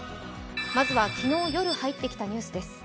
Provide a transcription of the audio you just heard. まずは昨日夜、入ってきたニュースです。